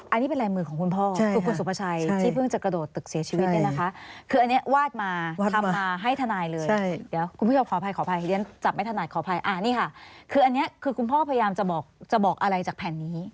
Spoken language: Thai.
อันนี้เป็นลายมือของคุณพ่อคือคุณสุภาชัยที่เพิ่งจะกระโดดตึกเสียชีวิตเนี่ยนะคะคืออันนี้วาดมาทำมาให้ทนายเลยเดี๋ยวคุณผู้ชมขออภัยขออภัยเรียนจับไม่ถนัดขออภัยอันนี้ค่ะคืออันนี้คือคุณพ่อพยายามจะบอกจะบอกอะไรจากแผ่นนี้